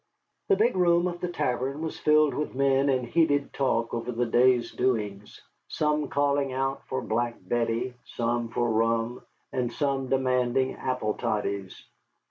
The big room of the tavern was filled with men in heated talk over the day's doings, some calling out for black betty, some for rum, and some demanding apple toddies.